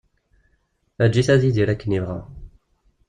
Eǧǧ-it ad yidir akken yebɣa.